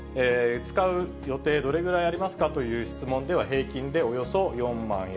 使う予定、どれぐらいありますかという質問では、平均でおよそ４万円。